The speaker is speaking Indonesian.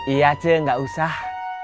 iya c nggak usah